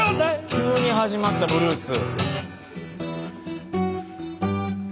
急に始まったブルース。